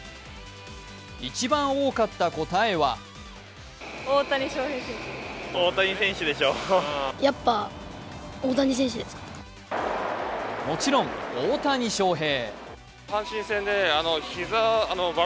一番多かった答えはもちろん大谷翔平。